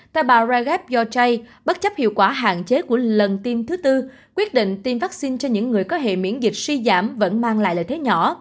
tại bà jaref yorjai bất chấp hiệu quả hạn chế của lần tiêm thứ tư quyết định tiêm vắc xin cho những người có hệ miễn dịch suy giảm vẫn mang lại lợi thế nhỏ